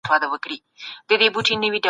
درانه کارونه په امیندواره ښځو مه کوئ.